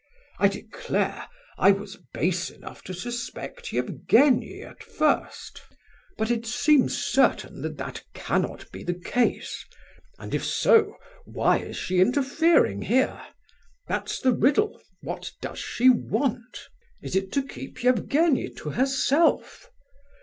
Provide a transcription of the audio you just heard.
I declare, I was base enough to suspect Evgenie at first; but it seems certain that that cannot be the case, and if so, why is she interfering here? That's the riddle, what does she want? Is it to keep Evgenie to herself?